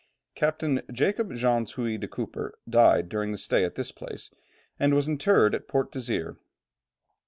Captain Jacob Jansz Huy de Cooper, died during the stay at this place, and was interred at Port Desire.